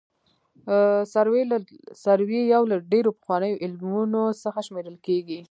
سروې یو له ډېرو پخوانیو علومو څخه شمېرل کیږي